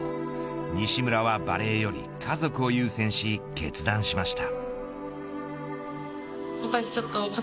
西村はバレーより家族を優先し決断しました。